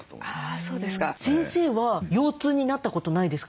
先生は腰痛になったことないですか？